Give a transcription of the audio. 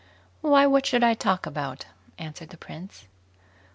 "Why, what should I talk about?" answered the prince.